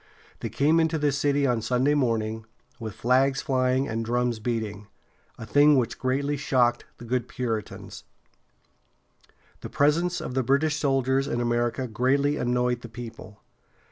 They came into the city on Sunday morning, with flags flying and drums beating, a thing which greatly shocked the good Puritans. [Illustration: The "Boston Massacre".] The presence of British soldiers in America greatly annoyed the people.